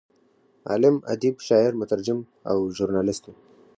عالم، ادیب، شاعر، مترجم او ژورنالست و.